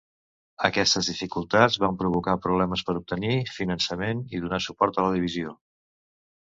Aquestes dificultats van provocar problemes per obtenir finançament i donar suport a la divisió.